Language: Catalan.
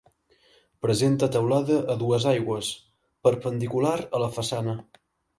Presenta teulada a dues aigües, perpendicular a la façana.